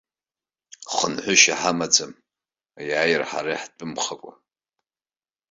Хынҳәышьа ҳамаӡам аиааира ҳара иаҳтәымхакәа!